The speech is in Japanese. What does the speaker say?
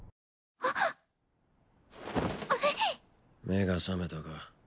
目が覚めたか？